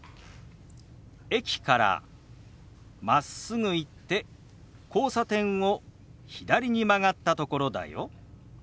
「駅からまっすぐ行って交差点を左に曲がったところだよ」。